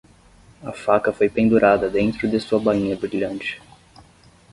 A faca foi pendurada dentro de sua bainha brilhante.